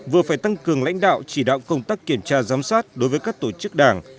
vừa phải tăng cường lãnh đạo chỉ đạo công tác kiểm tra giám sát đối với các tổ chức đảng